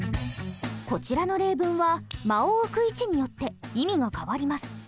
こちらの例文は間を置く位置によって意味が変わります。